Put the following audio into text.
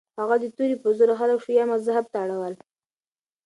هغه د توري په زور خلک شیعه مذهب ته اړول.